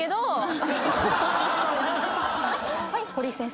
はい堀井先生。